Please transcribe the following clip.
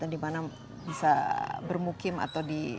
dan di mana bisa bermukim atau di